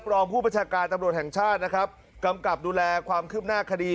รองผู้ประชาการตำรวจแห่งชาตินะครับกำกับดูแลความคืบหน้าคดี